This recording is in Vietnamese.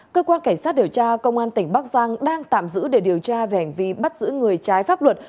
cơ quan cảnh sát điều tra công an tỉnh bắc giang đang tạm giữ để điều tra về hành vi bắt giữ người trái pháp luật